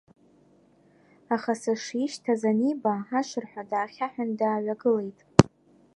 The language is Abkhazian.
Аха сышишьҭаз аниба, ашырҳәа даахьаҳәын дааҩагылеит.